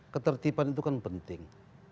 ketertiban itu kan penting